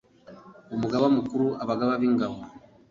umugaba mukuru abagaba b ingabo